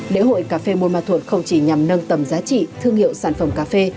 lễ hội cà phê buôn ma thuột không chỉ nhằm nâng tầm giá trị thương hiệu sản phẩm cà phê